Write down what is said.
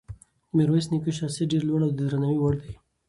د میرویس نیکه شخصیت ډېر لوړ او د درناوي وړ دی.